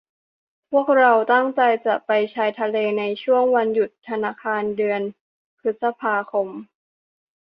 พวกเราตั้งใจจะไปชายทะเลในช่วงวันหยุดธนาคารเดือนพฤษภาคม